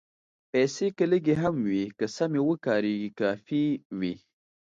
پېسې که لږې هم وي، که سمې وکارېږي، کافي وي.